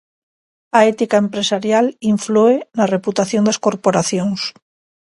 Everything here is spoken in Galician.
A ética empresarial inflúe na reputación das corporacións.